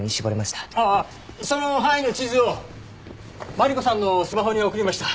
その範囲の地図をマリコさんのスマホに送りました。